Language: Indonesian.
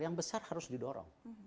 yang besar harus didorong